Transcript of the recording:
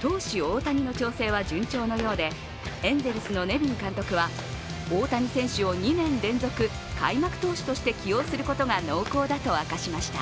投手・大谷の調整は順調のようで、エンゼルスのネビン監督は大谷選手を２年連続開幕投手として起用することが濃厚だと明かしました。